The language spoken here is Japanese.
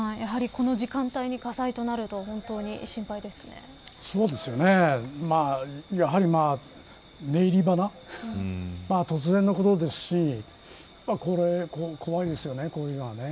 この時間に火災となるとやはり、寝入りばな突然のことですし怖いですよね、こういうのはね。